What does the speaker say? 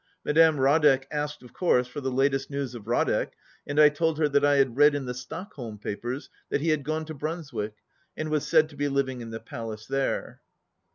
Madame Radek asked, of course, for the latest news of Radek, and I told her that I had read in the Stockholm papers that he had gone to Brunswick, and was said to be living in the palace there.